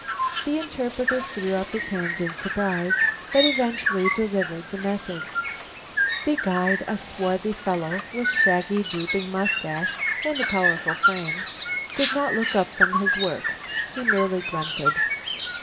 The interpreter threw up his hands in surprise, but eventually delivered his message. The guide, a swarthy fellow, with shaggy, drooping moustache and a powerful frame, did not look up from his work. He merely grunted.